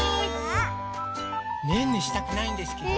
ねんねしたくないんですけど。